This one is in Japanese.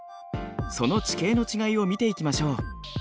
その地形の違いを見ていきましょう。